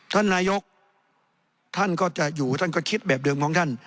ท่านนายกท่านก็จะอยู่ท่านก็คิดแบบเดิมของท่าน